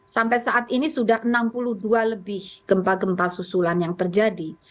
sampai saat ini sudah enam puluh dua lebih gempa gempa susulan yang terjadi